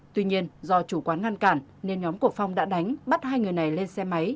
tuy nhiên do chủ quán ngăn cản nên nhóm của phong đã đánh bắt hai người này lên xe máy